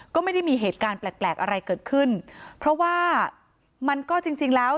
ก็ไม่ได้มีเหตุการณ์แปลกแปลกอะไรเกิดขึ้นเพราะว่ามันก็จริงจริงแล้ว